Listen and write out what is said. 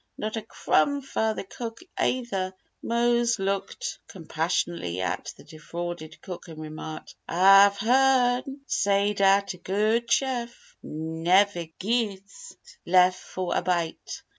Not a crumb fer the cook, ayther!" Mose looked compassionately at the defrauded cook and remarked: "Ah've hearn say dat a good chef neveh gits lef' fo' a bite!